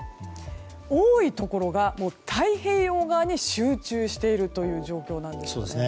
多いところが太平洋側に集中しているという状況なんですね。